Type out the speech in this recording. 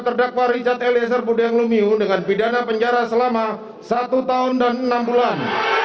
terdakwa richard eliezer budiang lumiu dengan pidana penjara selama satu tahun dan enam bulan